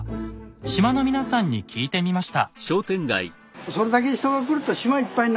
島の皆さんに聞いてみました。